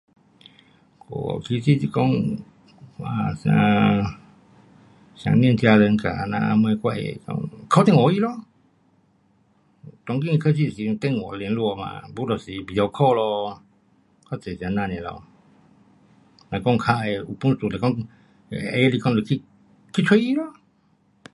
我其实的说 em，想念家人，那末打电话给他咯，最近科技用电话联络嘛，不就是不会 call，多数是这样的，假如有本事说，是说喜欢去找他咯。